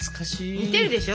似てるでしょ